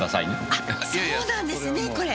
あそうなんですねこれ。